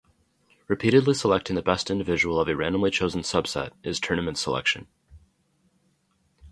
Repeatedly selecting the best individual of a randomly chosen subset is tournament selection.